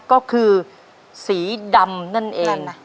ก็คือสีดำนั่นเองนะ